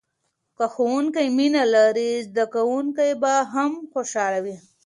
که ښوونکی مینه لري، زده کوونکی به هم خوشحاله وي.